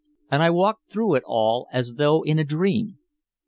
And I walked through it all as though in a dream.